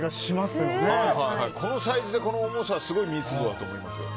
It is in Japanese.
このサイズでこの重さはすごい密度だと思います。